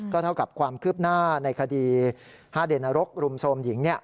ก็เท่ากับความขืบหน้าในคดีห้าเดชนรกรุมสวมหญิง